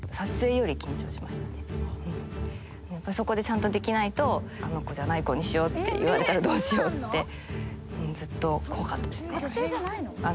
そこでちゃんとできないと「あの子じゃない子にしよう」って言われたらどうしようって。